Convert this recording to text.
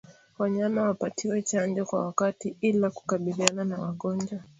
Wanyama wapatiwe chanjo kwa wakati ila kukabiliana na magonjwa